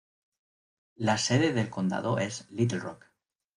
La sede del condado es Little Rock.